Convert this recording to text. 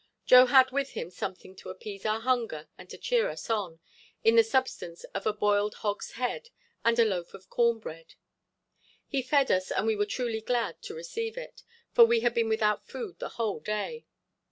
Joe had with him something to appease our hunger and to cheer us on, in the substance of a boiled hog's head and a loaf of corn bread. He fed us, and we were truly glad to receive it, for we had been without food the whole day.